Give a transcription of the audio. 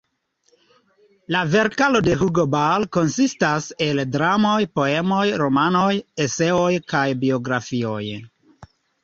La verkaro de Hugo Ball konsistas el dramoj, poemoj, romanoj, eseoj kaj biografioj.